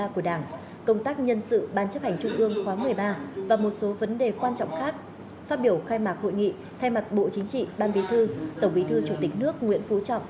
phát biểu khai mạc hội nghị thay mặt bộ chính trị ban bí thư tổng bí thư chủ tịch nước nguyễn phú trọng